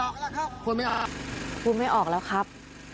คลุมไม่ออกแล้วครับ